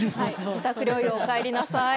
自宅療養、おかえりなさい。